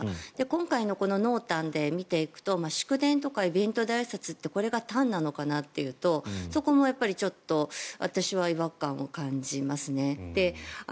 今回の濃淡で見ていくと祝電とかイベントであいさつってこれが淡なのかなというとそこもちょっと私は違和感を感じますね。